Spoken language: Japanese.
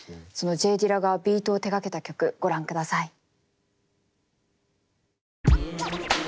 そのＪ・ディラがビートを手がけた曲ご覧ください。